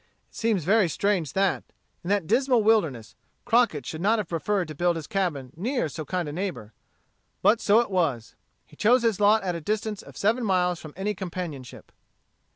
It seems very strange that, in that dismal wilderness, Crockett should not have preferred to build his cabin near so kind a neighbor. But so it was. He chose his lot at a distance of seven miles from any companionship.